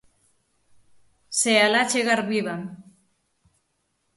Se alá chegar viva.